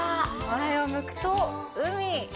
前を向くと海。